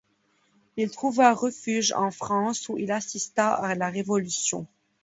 Il trouva refuge en France où il assista à la Révolution.